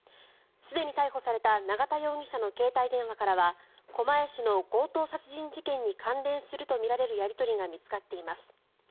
すでに逮捕された永田容疑者の携帯電話からは狛江市の強盗殺人事件に関連するとみられるやり取りが見つかっています。